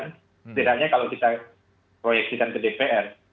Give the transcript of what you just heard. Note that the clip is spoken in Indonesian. setidaknya kalau kita proyeksikan ke dpr